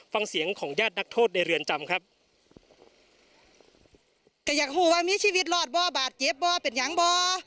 ฟังเสียงของญาตินักโทษในเรือนจำครับ